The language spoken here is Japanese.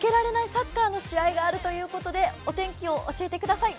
サッカーの試合があるということでお天気を教えてください。